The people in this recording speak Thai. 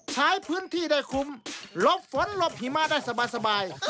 ใช้พื้นที่ได้คุมลบฝนหลบหิมะได้สบาย